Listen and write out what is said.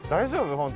本当？